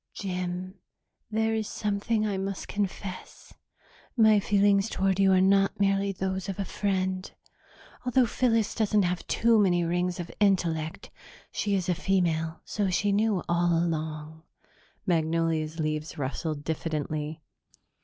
"Jim, there is something I must confess: my feelings toward you are not merely those of a friend. Although Phyllis doesn't have too many rings of intellect, she is a female, so she knew all along." Magnolia's leaves rustled diffidently.